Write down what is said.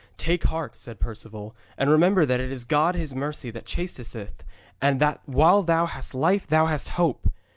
'Take heart,' said Perceval, 'and remember that it is God His mercy that chastiseth, and that while thou hast life thou hast hope.